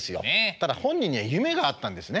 ただ本人には夢があったんですね。